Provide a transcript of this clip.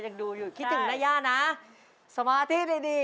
ยังดูอยู่คิดถึงนะย่านะสมาธิดีดี